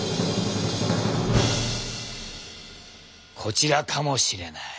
こちらかもしれない。